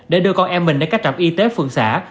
để đưa con em mình đến các trạm y tế phường xã